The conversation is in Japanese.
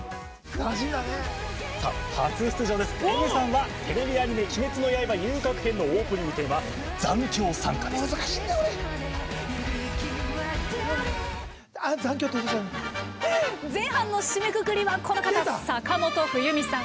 初出場です、Ａｉｍｅｒさんはテレビアニメ「鬼滅の刃遊郭編」のオープニングテーマ「残響散歌」。前半の締めくくりは、この方坂本冬美さん。